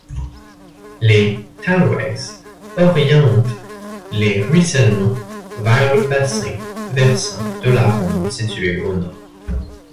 Les talwegs orientent les ruissellements vers le bassin versant de l'Aronde situé au nord.